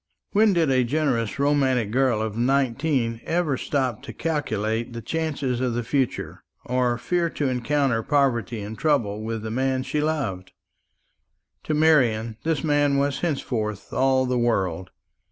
When did a generous romantic girl of nineteen ever stop to calculate the chances of the future, or fear to encounter poverty and trouble with the man she loved? To Marian this man was henceforth all the world.